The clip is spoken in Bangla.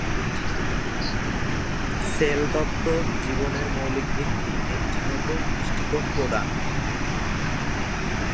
সেল তত্ত্ব জীবনের মৌলিক ভিত্তি একটি নতুন দৃষ্টিকোণ প্রদান।